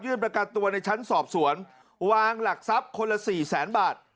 ยื่นประกัดตัวในชั้นสอบสวนวางหลักทรัพย์คนละ๔๐๐๐๐๐บาท